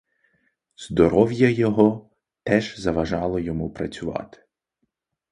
Здоров'я його теж заважало йому працювати.